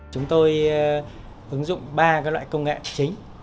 chúng tôi ứng dụng ba loại công nghệ chính